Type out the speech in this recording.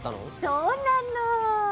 そうなの。